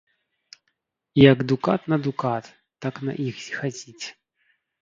Як дукат на дукат, так на іх зіхаціць.